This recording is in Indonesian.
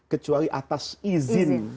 kecuali atas izin